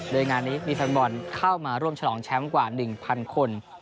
โดยงานนี้มีแฟนบอลเข้ามาร่วมฉลองแชมป์กว่า๑๐๐คน